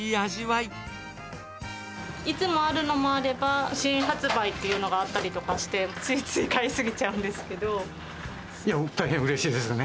いつもあるのもあれば、新発売っていうのがあったりとかして、ついつい買い過ぎちゃうん大変うれしいですね。